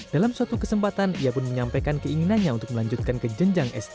dalam suatu kesempatan ia pun menyampaikan keinginannya untuk melanjutkan ke jenjang sd